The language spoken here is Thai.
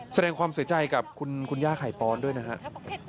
แสดงความเสียใจกับคุณย่าไข่ปอนด้วยนะครับ